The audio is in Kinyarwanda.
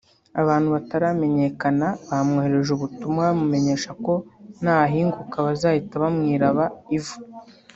abantu bataramenyekana bamwoherereje ubutumwa bamumenyesha ko nahahinguka bazahita bamwiraba ivu